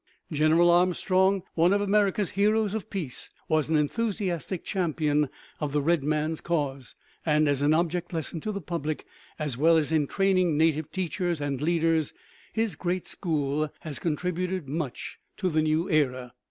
General Armstrong, one of America's heroes of peace, was an enthusiastic champion of the red man's cause, and as an object lesson to the public, as well as in training native teachers and leaders, his great school has contributed much to the new era.